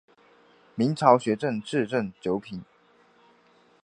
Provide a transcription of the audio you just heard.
明朝学正秩正九品。